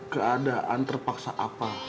keadaan terpaksa apa